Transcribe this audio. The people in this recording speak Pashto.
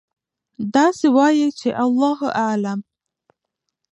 داسې وایئ چې: الله أعلم.